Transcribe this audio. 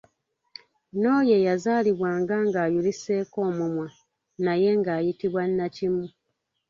N'oyo eyazaalibwanga ng’ayuliseeko omumwa naye ng’ayitibwa nnakimu.